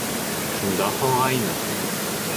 Шунда һалғайны!